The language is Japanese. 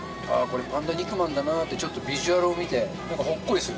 これパンダ肉まんだなってちょっとビジュアルを見て。